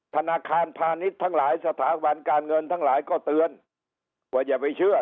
ธนาคารพาณิชย์ทั้งหลายสถาบันการเงินทั้งหลายก็เตือนว่าอย่าไปเชื่อ